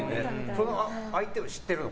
その相手は知ってるの？